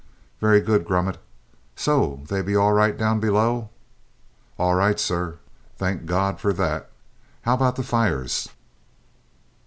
"Very good, Grummet. So they be all right down below?" "All right, sir." "Thank God for that! How about the fires?"